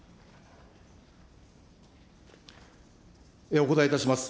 お答えいたします。